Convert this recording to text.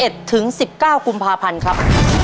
ตัวเลือกที่๓๑๑๑๙กุมภาพันธ์ครับ